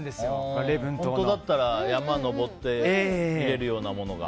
本当だったら山登って見られるようなものが。